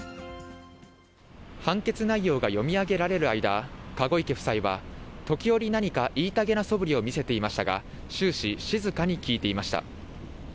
判決内容が読み上げられる間、籠池夫妻は、時折何か言いたげなそぶりを見せていましたが、終始静かに聞いていました。